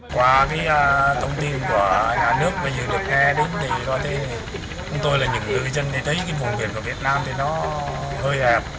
qua thông tin của nhà nước bây giờ được nghe đến tôi là những người dân thấy vùng biển của việt nam hơi hẹp